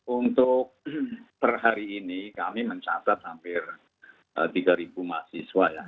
untuk per hari ini kami mencatat hampir tiga mahasiswa ya